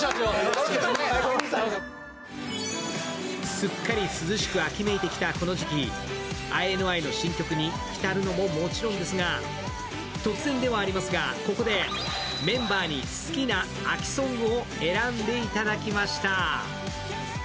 すっかり涼しく秋めいてきたこの時期、ＩＮＩの新曲にひたるのももちろんですが、突然ではありますが、ここでメンバーに好きな秋ソングを選んでいただきました。